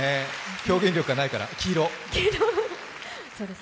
表現力がないから、黄色！